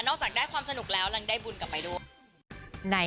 จากได้ความสนุกแล้วยังได้บุญกลับไปด้วย